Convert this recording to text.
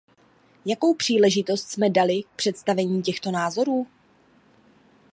Jakou příležitost jsme dali k představení těchto názorů?